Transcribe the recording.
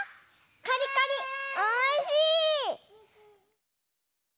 カリカリおいしい！